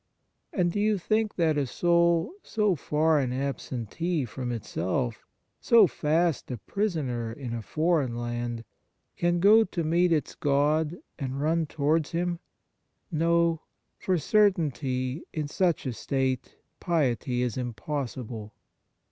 And do you think that a soul, so far an absentee from itself, so fast a prisoner in a foreign land, can go to meet its God and run towards Him ? No ; for certainly, in such a state piety is impossible.